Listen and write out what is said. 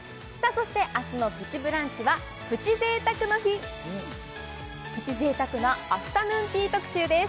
そして明日の「プチブランチ」はプチ贅沢の日プチ贅沢なアフタヌーンティー特集です